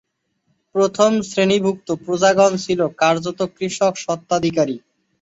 প্রথম শ্রেণিভুক্ত প্রজাগণ ছিল কার্যত কৃষক স্বত্বাধিকারী।